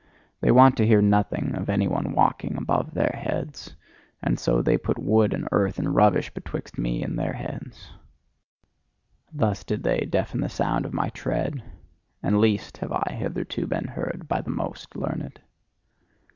They want to hear nothing of any one walking above their heads; and so they put wood and earth and rubbish betwixt me and their heads. Thus did they deafen the sound of my tread: and least have I hitherto been heard by the most learned.